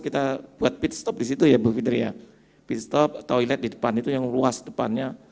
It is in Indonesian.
kita buat pitstop di situ ya bu fitri ya pitstop toilet di depan itu yang luas depannya